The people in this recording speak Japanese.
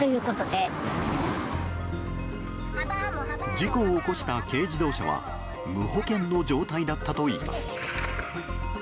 事故を起こした軽自動車は無保険の状態だったといいます。